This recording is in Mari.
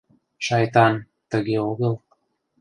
Шайтан, тыге огыл...